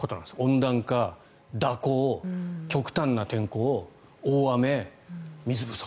温暖化、蛇行、極端な天候大雨、水不足。